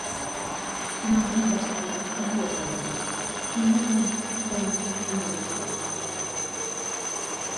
سېنىڭدىن باشلىنىپ سەندە يوقايمەن، سېنى مەن ئىستىسەم ھەركىمدە دۇرسەن.